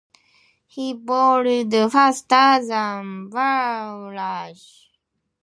He bowled faster than Bumrah.